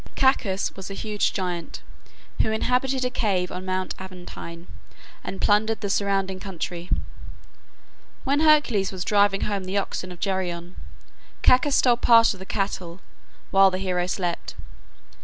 Cacus was a huge giant, who inhabited a cave on Mount Aventine, and plundered the surrounding country. When Hercules was driving home the oxen of Geryon, Cacus stole part of the cattle, while the hero slept.